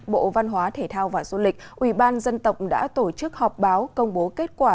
bộ văn hóa thể thao và du lịch ubnd đã tổ chức họp báo công bố kết quả